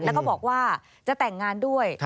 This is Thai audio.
แล้วก็บอกว่าจะแต่งงานด้วย